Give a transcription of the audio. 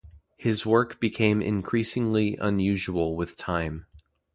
His work became increasingly unusual with time.